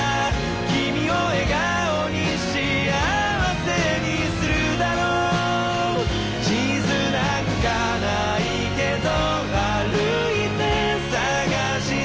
「君を笑顔に幸せにするだろう」「地図なんかないけど歩いて探して」